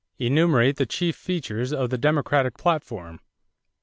Enumerate the chief features of the Democratic platform.